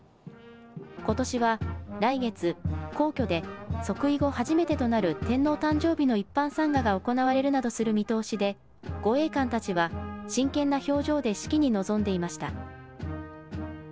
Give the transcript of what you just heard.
ことしは来月、皇居で即位後、初めてとなる天皇誕生日の一般参賀が行われるなどする見通しで護衛官たちは真剣な表情で式に臨んでいました。